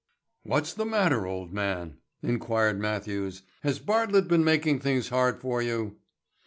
"What's the matter, old man?" inquired Matthews. "Has Bartlett been making things hard for you?"